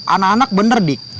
anak anak bener dik